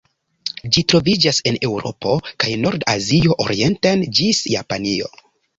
Ĝi troviĝas en Eŭropo kaj norda Azio orienten ĝis Japanio.